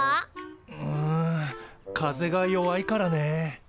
うん風が弱いからね。